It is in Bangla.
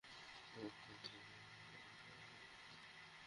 কিন্তু হঠাৎ করে রাতে মেলা বন্ধ হয়ে যাওয়ায় তাঁরা ক্ষোভ প্রকাশ করেন।